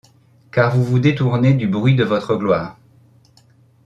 Car vous vous détournez du bruit de votre gloire